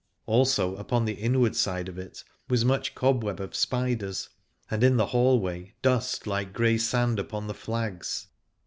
Also upon the inward side of it was much cobweb of spiders, and in the hall way dust like grey sand upon the flags.